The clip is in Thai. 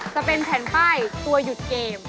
จะเป็นแผ่นป้ายตัวหยุดเกม